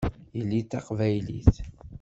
Yelli d taqbaylit.